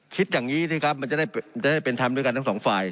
คิดอย่างงี้ที่ครับมันจะได้จะได้เป็นทำด้วยกันทั้งสองฝ่าย